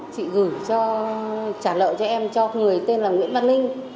chị gửi cho trả lợi cho em cho người tên là nguyễn văn linh